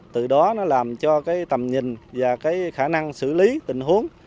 từ đó nó làm cho tầm nhìn và khả năng xử lý tình huống